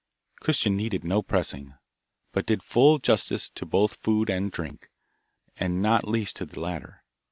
Christian needed no pressing, but did full justice both to the food and drink, and not least to the latter.